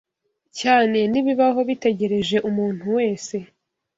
cyane n’ibibaho bitegereje umuntu wese.